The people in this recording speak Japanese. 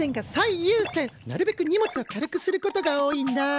なるべく荷物を軽くすることが多いんだ。